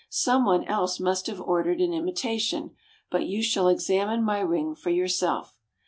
"Some one else must have ordered an imitation. But you shall examine my ring for yourself."